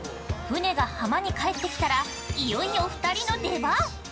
◆船が浜に帰ってきたらいよいよ２人の出番。